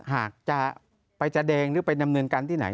หากจะไปแสดงหรือไปดำเนินการที่ไหน